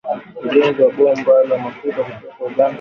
Ujenzi wa bomba la mafuta kutoka Uganda hadi Tanzania upo matatani